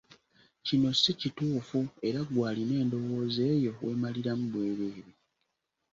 Kino si kituufu era ggwe alina endowooza eyo weemaliramu bwereere.